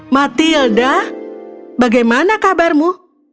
matilda bagaimana kabarmu